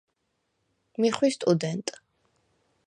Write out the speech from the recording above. მი ხვი სტუდენტ.